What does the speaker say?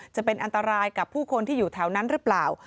จะเป็นอันตรายกับผู้คนที่อยู่แถวนั้นหรือเปล่า